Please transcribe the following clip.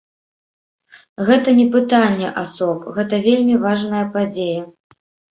Гэта не пытанне асоб, гэта вельмі важная падзея.